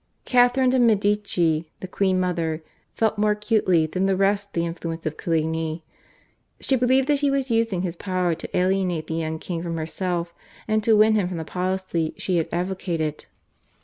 Catharine de' Medici, the queen mother, felt more acutely than the rest the influence of Coligny. She believed that he was using his power to alienate the young king from herself, and to win him from the policy she had advocated.